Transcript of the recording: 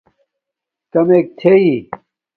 کامک تھݵ